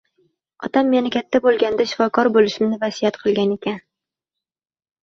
Otam meni katta bo‘lganimda shifokor bo‘lishimni vasiyat qilgan ekan